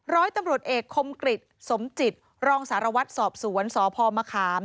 ร้อยตำรวจเอกคมกริจสมจิตรองสารวัตรสอบสวนสพมะขาม